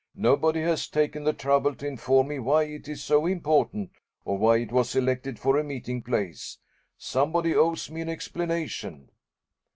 "Nobody has taken the trouble to inform me why it is so important, or why it was selected for a meeting place. Somebody owes me an explanation."